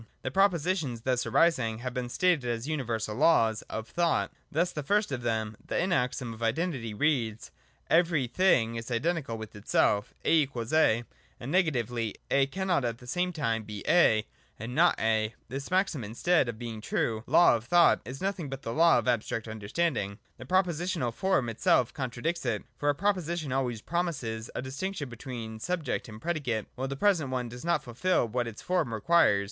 The propositions thus arising have been stated as universal Laws of Thought. Thus the first of them, the maxim of Identity, reads : Every thing is identical with itself, A=A : and, negatively, A cannot at the same time be A and not A. — This maxim, instead of being a true law of thought, is nothing but the law of abstract understanding. The propositional form itself contradicts it : for a proposition always pro 214 THE DOCTRINE OF ESSENCE. [iij mises a distinction between subject and predicate; while the present one does not fulfil what its form requires.